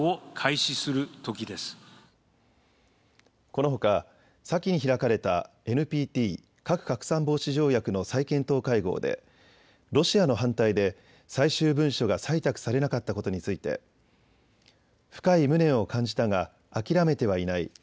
このほか先に開かれたＮＰＴ・核拡散防止条約の再検討会合でロシアの反対で最終文書が採択されなかったことについて深い無念を感じたが諦めてはいない。